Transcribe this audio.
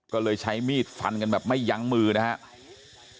ก็เลยใช้มีดฟันกันแบบไม่ยั้งมือนะครับ